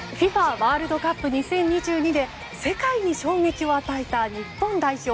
ワールドカップ２０２２で世界に衝撃を与えた日本代表。